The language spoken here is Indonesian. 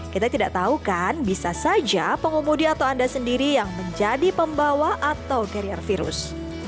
kita tidak tahu kan bisa saja pengumudi atau anda sendiri yang menjadi pembawa atau karier virus